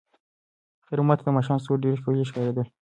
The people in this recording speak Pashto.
خیر محمد ته د ماښام ستوري ډېر ښکلي ښکارېدل.